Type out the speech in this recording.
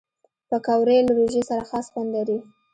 پکورې له روژې سره خاص خوند لري